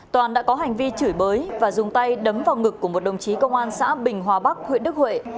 toàn đã có hành vi chửi bới và dùng tay đấm vào ngực của một đồng chí công an xã bình hòa bắc huyện đức huệ